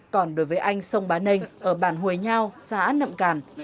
còn đối với anh sông bá nênh ở bản huế nhau xã nậm càn